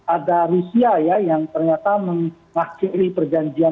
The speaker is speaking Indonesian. ada rusia ya yang ternyata mengakhiri perjanjian